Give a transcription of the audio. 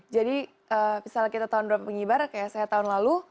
jadi misalnya kita tahun dua mengibar kayak saya tahun lalu